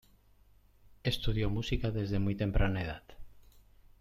Estudió música desde muy temprana edad.